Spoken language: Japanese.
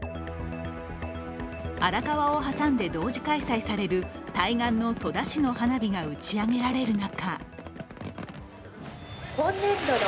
荒川を挟んで同時開催される対岸の戸田市の花火が打ち上げられる中